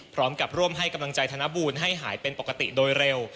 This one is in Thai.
พร้อมกับร่วมให้กำลังใจธนบูลให้หายเป็นปกติโดยเร็ว